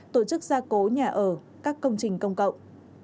tổ chức gia cố nhà ở các công trình công cộng